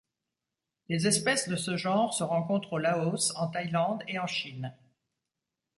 Les espèces de ce genre se rencontrent au Laos, en Thaïlande et en Chine.